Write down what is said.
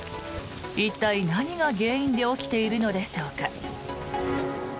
一体、何が原因で起きているのでしょうか。